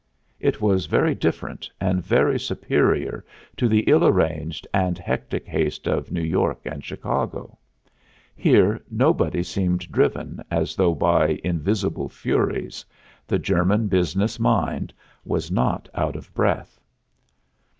It was very different and very superior to the ill arranged and hectic haste of New York and Chicago; here nobody seemed driven as though by invisible furies the German business mind was not out of breath.